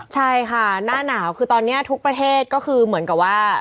ใช่ค่ะหน้าหนาวคือตอนนี้ทุกประเทศก็คือเหมือนกับว่า